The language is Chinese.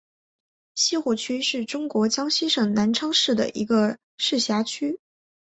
西湖区是中国江西省南昌市的一个市辖区。